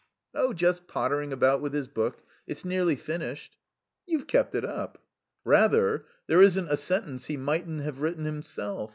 "Oh, just pottering about with his book. It's nearly finished." "You've kept it up?" "Rather. There isn't a sentence he mightn't have written himself.